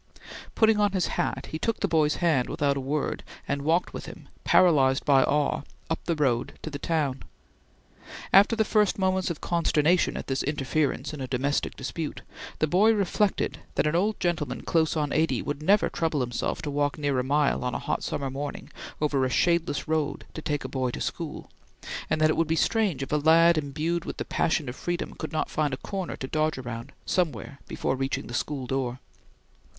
Putting on his hat, he took the boy's hand without a word, and walked with him, paralyzed by awe, up the road to the town. After the first moments of consternation at this interference in a domestic dispute, the boy reflected that an old gentleman close on eighty would never trouble himself to walk near a mile on a hot summer morning over a shadeless road to take a boy to school, and that it would be strange if a lad imbued with the passion of freedom could not find a corner to dodge around, somewhere before reaching the school door.